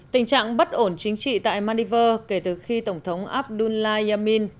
tình trạng bất ổn chính trị tại maldives kể từ khi tổng thống abdul layamin